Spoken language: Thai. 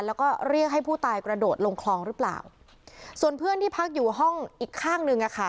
แล้วก็เรียกให้ผู้ตายกระโดดลงคลองหรือเปล่าส่วนเพื่อนที่พักอยู่ห้องอีกข้างหนึ่งอ่ะค่ะ